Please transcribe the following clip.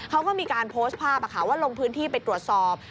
เขาก็มีการโพสต์ภาพว่าลงพื้นที่ไปตรวจสอบ